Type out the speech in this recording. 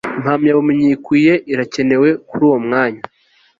impamyabumenyi ikwiye irakenewe kuri uwo mwanya